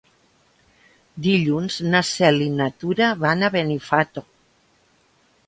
Dilluns na Cel i na Tura van a Benifato.